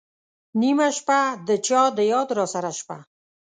نېمه شپه ، د چا د یاد راسره شپه